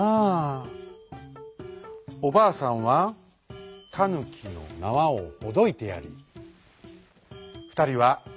おばあさんはタヌキのなわをほどいてやりふたりはこめつきをはじめました。